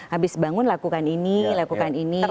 habis bangun lakukan ini lakukan ini